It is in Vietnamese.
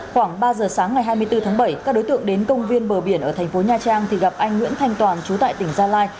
khoảng ba giờ sáng ngày hai mươi bốn tháng bảy các đối tượng đến công viên bờ biển ở thành phố nha trang thì gặp anh nguyễn thanh toàn chú tại tỉnh gia lai